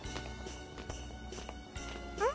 うん。